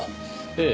ええ。